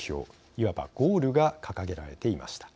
いわばゴールが掲げられていました。